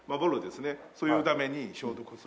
そういうために消毒する。